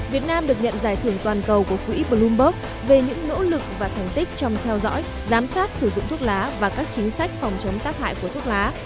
việt nam được nhận giải thưởng toàn cầu của quỹ bloomberg về những nỗ lực và thành tích trong theo dõi giám sát sử dụng thuốc lá và các chính sách phòng chống tác hại của thuốc lá